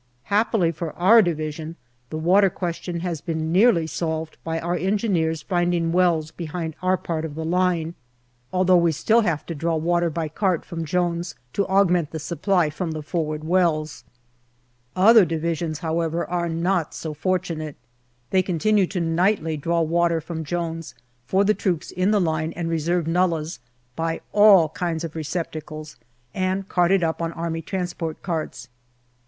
Happily, for our Division the water question has been nearly solved by our Engineers finding wells behind our part of the line, although we still have to draw water by cart from Jones to augment the supply from the forward wells. Other 284 GALLIPOLI DIARY Divisions, however, are not so fortunate. They continue to nightly draw water from Jones for the troops in the line and reserve nullahs by all kinds of receptacles, and cart it up on A.T. carts.